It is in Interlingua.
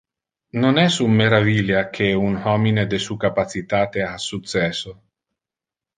Non es un meravilia que un homine de su capacitate ha successo.